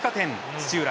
土浦